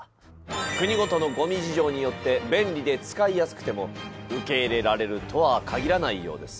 国ごとのゴミ事情によって便利で使いやすくても受け入れられるとは限らないようです。